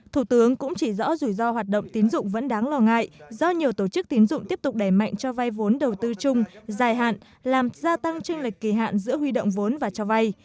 thủ tướng cũng chỉ rõ rủi ro hoạt động tín dụng vẫn đáng lo ngại do nhiều tổ chức tín dụng tiếp tục đẩy mạnh cho vai vốn đầu tư chung dài hạn làm gia tăng tranh lệch kỳ hạn giữa huy động vốn và cho vay